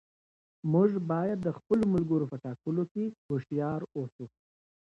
موږ باید د خپلو ملګرو په ټاکلو کې هوښیار اوسو.